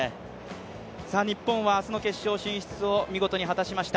日本は明日の決勝進出を見事に果たしました。